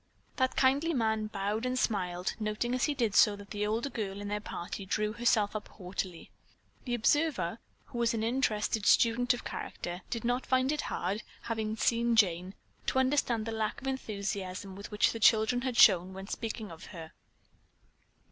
That kindly man bowed and smiled, noting as he did so that the older girl in their party drew herself up haughtily. The observer, who was an interested student of character, did not find it hard, having seen Jane, to understand the lack of enthusiasm which the children had shown when speaking of her.